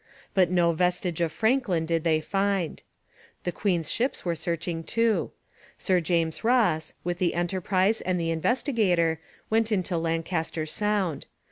But no vestige of Franklin did they find. The queen's ships were searching too. Sir James Ross, with the Enterprise and the Investigator, went into Lancaster Sound.